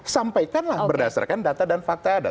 sampaikanlah berdasarkan data dan fakta ada